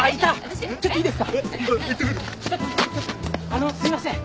あのうすいません。